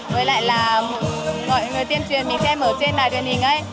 với lại là mọi người tuyên truyền mình xem ở trên đài truyền hình ấy